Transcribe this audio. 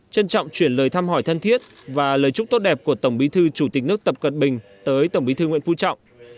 trân trọng chuyển lời thăm hỏi thân thiết và lời chúc tốt đẹp của tổng bí thư chủ tịch nước tập cận bình tới tổng bí thư nguyễn phú trọng